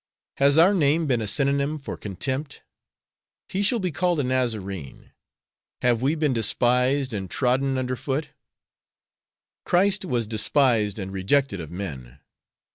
Has our name been a synonym for contempt? 'He shall be called a Nazarene.' Have we been despised and trodden under foot? Christ was despised and rejected of men.